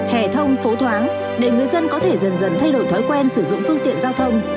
hẻ thông phố thoáng để người dân có thể dần dần thay đổi thói quen sử dụng phương tiện giao thông